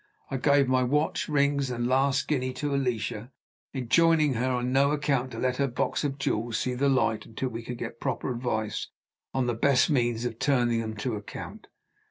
I gave my watch, rings, and last guinea to Alicia, enjoining her, on no account, to let her box of jewels see the light until we could get proper advice on the best means of turning them to account.